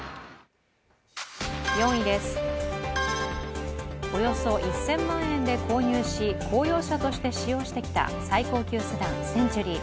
４位です、およそ１０００万円で購入し公用車として使用してきた最高級セダン・センチュリー。